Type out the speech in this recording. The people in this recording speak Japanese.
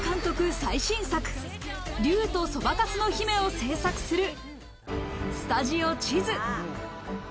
最新作『竜とそばかすの姫』を制作するスタジオ地図。